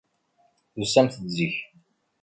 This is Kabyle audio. Tusamt-d zik.